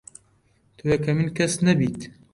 تۆ یەکەمین کەس نەبیت